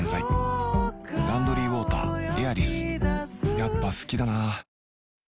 やっぱ好きだな